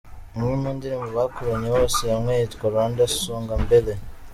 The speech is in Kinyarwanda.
Imwe mu ndirimbo bakoranye bose hamwe yitwa ’Rwanda Songa Mbele’.